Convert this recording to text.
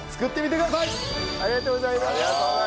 ありがとうございます！